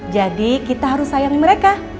jadi kita harus sayangi mereka